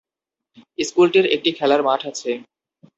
স্কুলটির একটি খেলার মাঠ আছে।